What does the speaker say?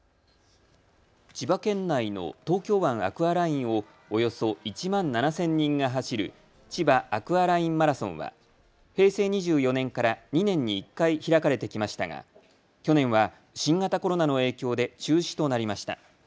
千葉県内の東京湾アクアラインをおよそ１万７０００人が走るちばアクアラインマラソンは平成２４年から２年に１回開かれてきましたが去年は新型コロナの影響で中止となりました。